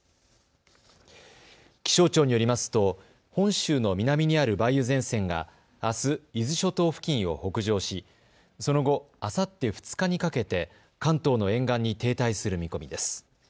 気象庁によりますと本州の南にある梅雨前線があす、伊豆諸島付近を北上しその後、あさって２日にかけて関東の沿岸に停滞する見込みです。